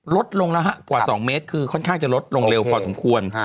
ลดลงแล้วฮะกว่า๒เมตรคือค่อนข้างจะลดลงเร็วพอสมควร